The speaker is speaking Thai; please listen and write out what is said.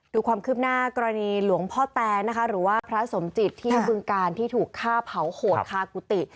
ดูความคืบหน้ากรณีหลวงพ่อแตนะคะหรือว่าพระสมจิตที่บึงการที่ถูกฆ่าเผาโหดคากุฏิ